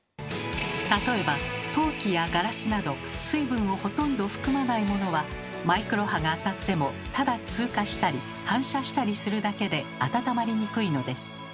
例えば陶器やガラスなど水分をほとんど含まないものはマイクロ波が当たってもただ通過したり反射したりするだけで温まりにくいのです。